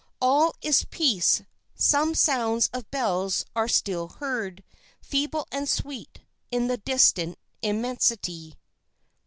All is peace; some sounds of bells are still heard, feeble and sweet, in the distant immensity.